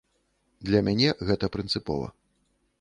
Для мяне гэта прынцыпова.